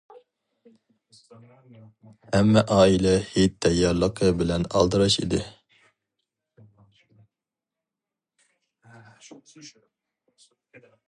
ھەممە ئائىلە ھېيت تەييارلىقى بىلەن ئالدىراش ئىدى.